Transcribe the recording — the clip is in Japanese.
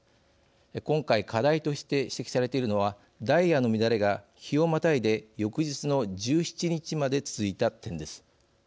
今回、課題として指摘されているのはダイヤの乱れが日をまたいで翌日の１７日まで続いた点です。